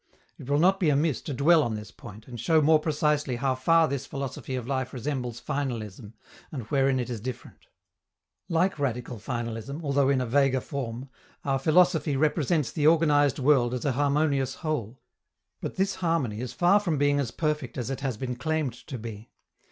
It will not be amiss to dwell on this point, and show more precisely how far this philosophy of life resembles finalism and wherein it is different. Like radical finalism, although in a vaguer form, our philosophy represents the organized world as a harmonious whole. But this harmony is far from being as perfect as it has been claimed to be.